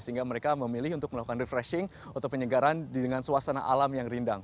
sehingga mereka memilih untuk melakukan refreshing atau penyegaran dengan suasana alam yang rindang